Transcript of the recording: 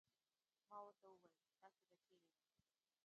ما ورته وویل: تاسې به چیرې یاست؟